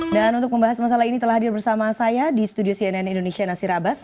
untuk membahas masalah ini telah hadir bersama saya di studio cnn indonesia nasir abbas